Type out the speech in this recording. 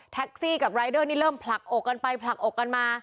กับรายเดอร์นี่เริ่มผลักอกกันไปผลักอกกันมา